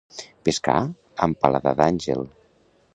Pescar amb paladar d'àngel.